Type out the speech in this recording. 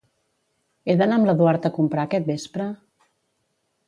He d'anar amb l'Eduard a comprar aquest vespre?